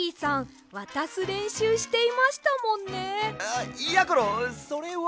あっやころそれは。